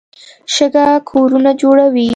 شګه کورونه جوړوي.